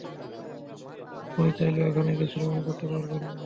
আপনি চাইলেও এখানে কিচ্ছু প্রমাণ করতে পারবেন না।